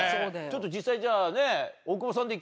ちょっと実際じゃあ。